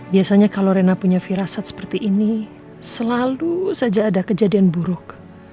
biasanya kalau rena punya firasat seperti ini selalu saja ada kejadian buruk